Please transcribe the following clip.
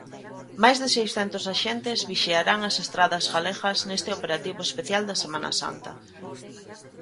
Máis de seiscentos axentes vixiarán as estradas galegas neste operativo especial da Semana Santa.